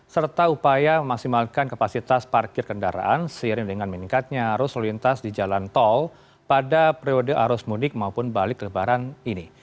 serta upaya memaksimalkan kapasitas parkir kendaraan seiring dengan meningkatnya arus lintas di jalan tol pada periode arus mudik maupun balik lebaran ini